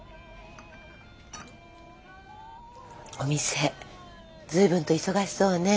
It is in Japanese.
お店随分と忙しそうね。